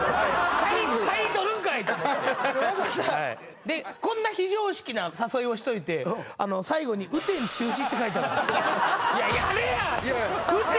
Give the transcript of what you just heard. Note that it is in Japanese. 会費とるんかいと思ってでこんな非常識な誘いをしといて最後にって書いてある雨天